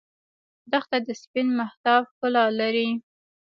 دښته د سپین مهتاب ښکلا لري.